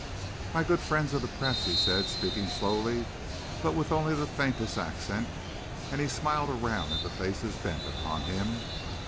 "My good friends of the press," he said, speaking slowly, but with only the faintest accent, and he smiled around at the faces bent upon him.